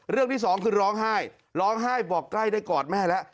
ที่สองคือร้องไห้ร้องไห้บอกใกล้ได้กอดแม่แล้ว